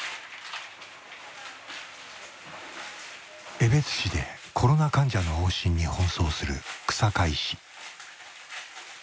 江別市でコロナ患者の往診に奔走する日下医師。